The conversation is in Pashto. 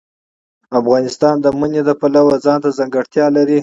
افغانستان د منی د پلوه ځانته ځانګړتیا لري.